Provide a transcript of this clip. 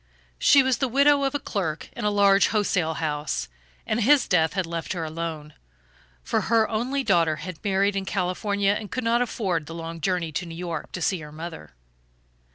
She was the widow of a clerk in a large wholesale house, and his death had left her alone, for her only daughter had married in California, and could not afford the long journey to New York to see her mother.